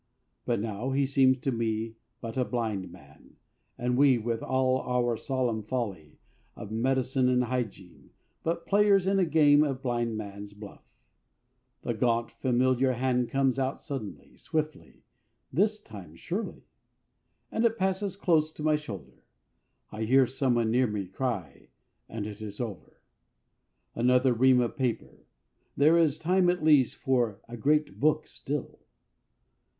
But now he seems to me but a blind man, and we, with all our solemn folly of medicine and hygiene, but players in a game of Blind Man's Buff. The gaunt, familiar hand comes out suddenly, swiftly, this time surely? And it passes close to my shoulder; I hear someone near me cry, and it is over.... Another ream of paper; there is time at least for the Great Book still.